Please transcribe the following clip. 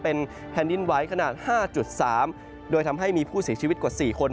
เป็นแผ่นดินไหวขนาด๕๓โดยทำให้มีผู้เสียชีวิตกว่า๔คน